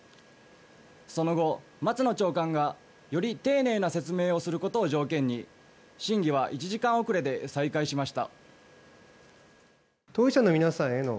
その後、松野長官がより丁寧な説明をすることを条件に審議は１時間遅れで再開しました。